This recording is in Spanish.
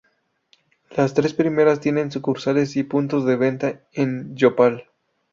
Las tres primeras tienen sucursales y puntos de venta en Yopal.